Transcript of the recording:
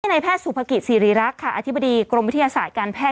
ในแพทย์สุภกิจศิริรักษ์ค่ะอธิบดีกรมวิทยาศาสตร์การแพท